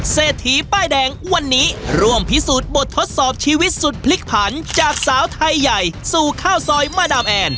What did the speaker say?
เศรษฐีป้ายแดงวันนี้ร่วมพิสูจน์บททดสอบชีวิตสุดพลิกผันจากสาวไทยใหญ่สู่ข้าวซอยมาดามแอน